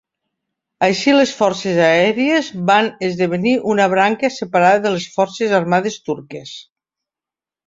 Així, les Forces Aèries van esdevenir una branca separada de les Forces Armades Turques.